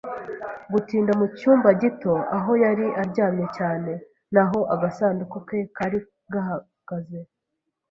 gutinda mucyumba gito aho yari aryamye cyane n'aho agasanduku ke kari gahagaze